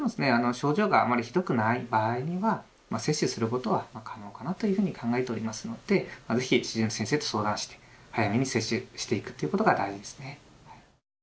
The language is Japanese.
症状があまりひどくない場合には接種することは可能かなというふうに考えておりますので是非主治医の先生と相談して早めに接種していくということが大事ですね。